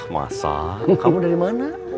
masa kamu dari mana